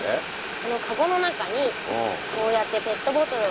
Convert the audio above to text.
このカゴの中にこうやってペットボトルを入れるでしょ。